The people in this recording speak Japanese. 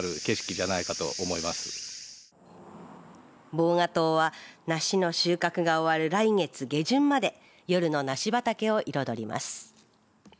防蛾灯は梨の収穫が終わる来月下旬まで夜の梨畑を彩ります。